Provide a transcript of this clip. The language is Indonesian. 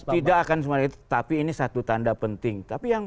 tidak akan sementara itu tapi ini satu tanda penting